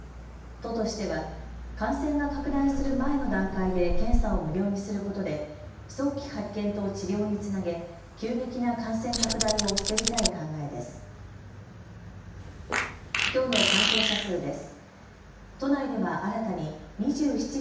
都としては感染が拡大する前の段階で検査を無料にすることで早期発見と治療につなげ、急激な感染拡大を防ぎたい考えです。